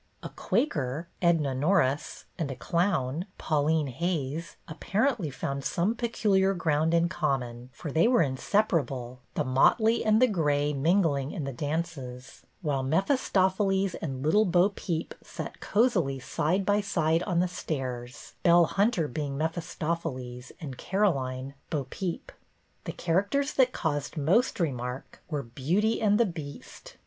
A Quaker (Edna Norris) and a clown (Paul ine Hays) apparently found some peculiar ground in common, for they were insepar THE MAS(^ERADE 243 able, the motley and the gray mingling in the dances ; while Mephistopheles and Little 13o Peep sat cozily side by side on the stairs, Belle Hunter being Mephistopheles and Caroline, Bo Peep. The characters that caused most remark were Beauty and the Beast.